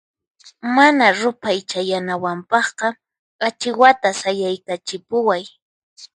Mana ruphay chayanawanpaqqa achiwata sayaykachipuway.